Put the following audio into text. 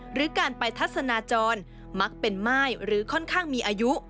หรือการไปทัศนาจรมักเป็นม่ายหรือค่อนข้างมีอายุ